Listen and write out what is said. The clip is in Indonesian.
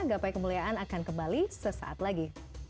gapai kemuliaan akan kembali sesaat lagi